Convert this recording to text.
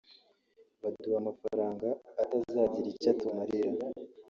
baduha amafaranga atazagira icyo atumarira